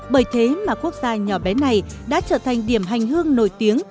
bởi thế mà quốc gia nhỏ bé này đã trở thành điểm hành hương nổi tiếng